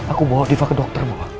aku bawa diva ke dokter bu